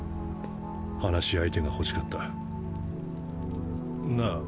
話し相手が欲しかったなぁ